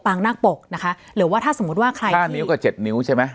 งนาคปกนะคะหรือว่าถ้าสมมุติว่าใครห้านิ้วก็เจ็ดนิ้วใช่ไหม